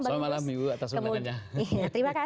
selamat malam ibu atas umur saya selamat malam